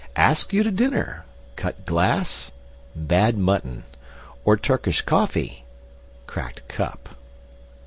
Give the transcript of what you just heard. Asks you to dinner: cut glass bad mutton, or Turkish coffee cracked cup!